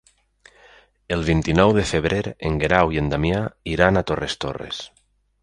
El vint-i-nou de febrer en Guerau i en Damià iran a Torres Torres.